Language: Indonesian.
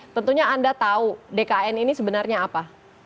tentunya anda tahu dkn ini sebenarnya apa